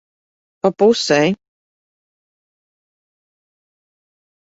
Pa pusei.